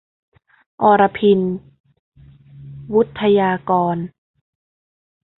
อรพิณ วุฑฒยากร